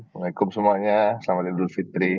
waalaikumsalam semuanya selamat idul fitri